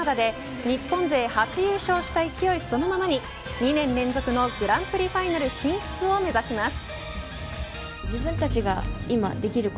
カナダで日本勢初優勝した勢いのまま２年連続のグランプリファイナル進出を目指します。